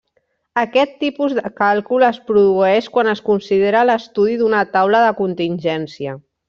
Aquest tipus de càlcul es produeix quan es considera l'estudi d'una taula de contingència.